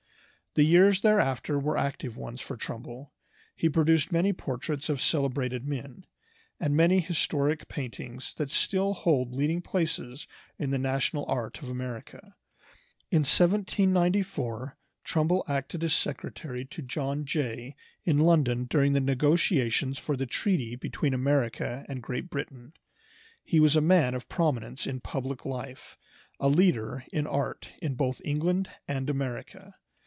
The years thereafter were active ones for Trumbull. He produced many portraits of celebrated men, and many historic paintings that still hold leading places in the national art of America. In 1794 Trumbull acted as secretary to John Jay in London during the negotiations for the treaty between America and Great Britain. He was a man of prominence in public life, a leader in art in both England and America.